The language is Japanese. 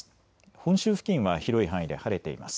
本州付近は広い範囲で晴れています。